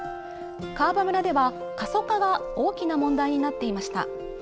川場村では、過疎化が大きな問題になっていました。